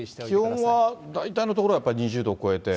気温は大体の所は２０度を超えて。